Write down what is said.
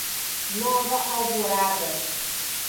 Nova Alvorada